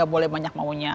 gak boleh banyak maunya